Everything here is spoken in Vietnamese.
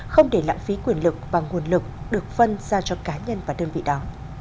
không để lãng phí quyền lực và nguồn lực được phân ra cho cá nhân và đơn vị đó